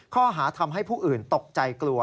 ข้อหาทำให้ผู้อื่นตกใจกลัว